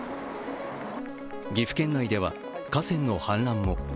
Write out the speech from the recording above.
岐阜県内では、河川の氾濫も。